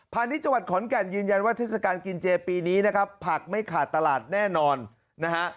ณิชย์จังหวัดขอนแก่นยืนยันว่าเทศกาลกินเจปีนี้นะครับผักไม่ขาดตลาดแน่นอนนะฮะ